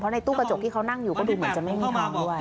ในตู้กระจกที่เขานั่งอยู่ก็ดูเหมือนจะไม่มีทางด้วย